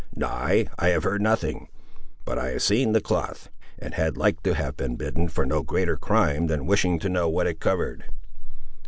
"Nay, I have heard nothing; but I have seen the cloth, and had like to have been bitten for no greater crime than wishing to know what it covered."